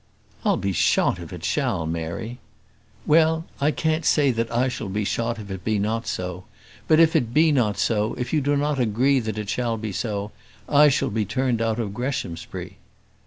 "I'll be shot if it shall, Mary." "Well; I can't say that I shall be shot if it be not so; but if it be not so, if you do not agree that it shall be so, I shall be turned out of Greshamsbury."